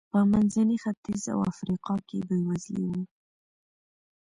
په منځني ختیځ او افریقا کې بېوزلي و.